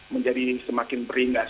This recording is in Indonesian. menjadi semakin beringas